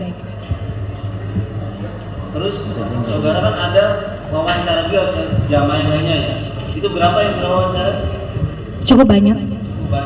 terus sobara kan ada lawan cari jamaah lainnya ya itu berapa yang sudah lawan cari